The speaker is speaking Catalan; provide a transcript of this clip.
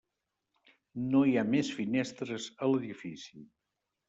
No hi ha més finestres a l'edifici.